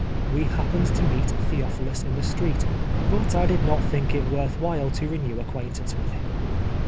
We happened to meet Theophilus in the street, but I did not thiidc it worth while to renew acquaintance with him.